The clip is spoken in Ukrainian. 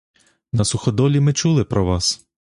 На суходолі ми чули про вас.